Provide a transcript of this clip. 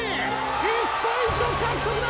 １ポイント獲得だ！